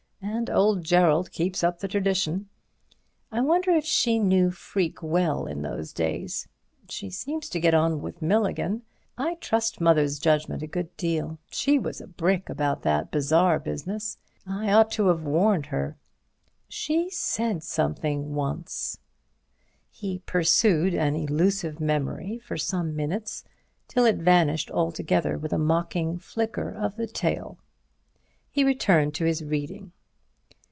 And old Gerald keeps up the tradition. I wonder if she knew Freke well in those days. She seems to get on with Milligan. I trust Mother's judgment a good deal. She was a brick about that bazaar business. I ought to have warned her. She said something once—" He pursued an elusive memory for some minutes, till it vanished altogether with a mocking flicker of the tail. He returned to his reading.